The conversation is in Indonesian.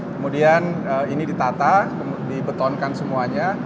kemudian ini ditata dibetonkan semuanya